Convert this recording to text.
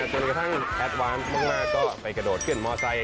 จนกระทั่งแอดวานซ์มากก็ไปกระโดดเคลื่อนมอเซ้น